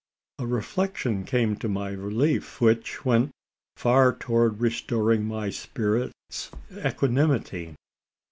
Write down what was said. A reflection came to my relief, which went far towards restoring my spirits' equanimity.